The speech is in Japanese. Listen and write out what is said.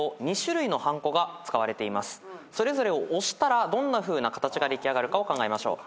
それぞれ押したらどんなふうな形が出来上がるかを考えましょう。